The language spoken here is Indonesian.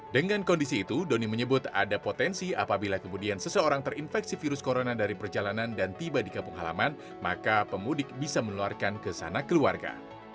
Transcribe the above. dengan kondisi itu doni menyebut ada potensi apabila kemudian seseorang terinfeksi virus corona dari perjalanan dan tiba di kampung halaman maka pemudik bisa menularkan ke sana keluarga